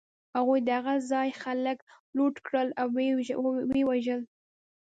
هغوی د هغه ځای خلک لوټ کړل او و یې وژل